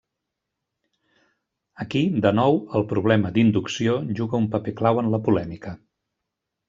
Aquí de nou el problema d'inducció juga un paper clau en la polèmica.